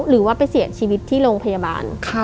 หรือว่าไปเสียชีวิตที่โรงพยาบาล